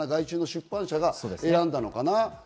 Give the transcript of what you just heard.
出版社が選んだのかな。